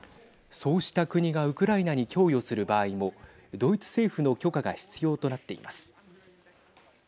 そうした国がウクライナに供与する場合もドイツ政府の許可が必要となっています。